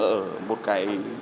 ở một cái